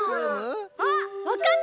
あっわかった！